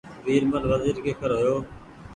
ويرمل وزيرڪيکرهيو